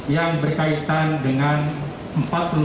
yang berkaitan dengan korban